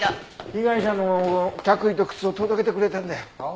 被害者の着衣と靴を届けてくれたんだよ。